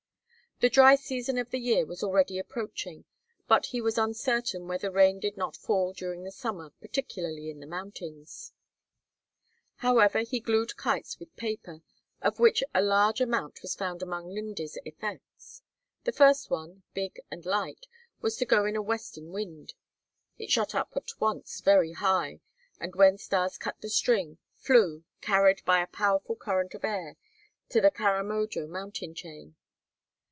The dry season of the year was already approaching, but he was uncertain whether rain did not fall during the summer particularly in the mountains. However, he glued kites with paper, of which a large amount was found among Linde's effects. The first one, big and light, was let go in a western wind; it shot up at once very high, and when Stas cut the string, flew, carried by a powerful current of air, to the Karamojo mountain chain.